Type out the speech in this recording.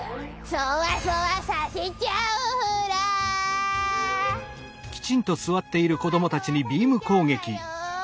そわそわさせちゃうわよ！